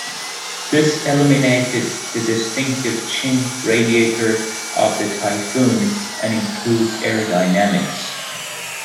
This eliminated the distinctive "chin" radiator of the Typhoon and improved aerodynamics.